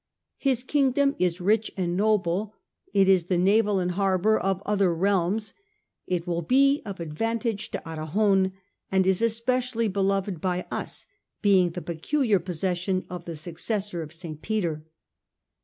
His King dom is rich and noble ; it is the navel and harbour of other realms ; it will be of advantage to Arragon, and it is especially beloved by us, being the peculiar possession of the successor of St. Peter."